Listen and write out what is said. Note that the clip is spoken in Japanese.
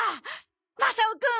マサオくん！